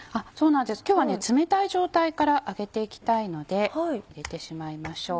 今日は冷たい状態から揚げていきたいので入れてしまいましょう。